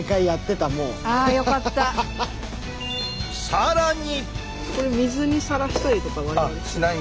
更に！